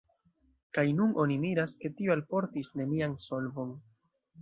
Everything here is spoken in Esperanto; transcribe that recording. Kaj nun oni miras, ke tio alportis nenian solvon.